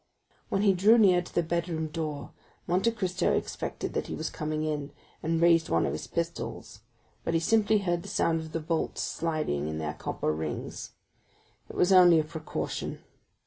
When he drew near to the bedroom door, Monte Cristo expected that he was coming in, and raised one of his pistols; but he simply heard the sound of the bolts sliding in their copper rings. It was only a precaution.